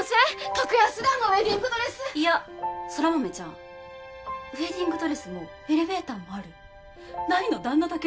格安であのウエディングドレスいや空豆ちゃんウエディングドレスもエレベーターもあるないの旦那だけ